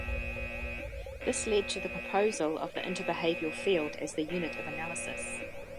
This led to the proposal of the interbehavioral field as the unit of analysis.